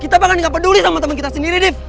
kita bahkan gak peduli sama temen kita sendiri dip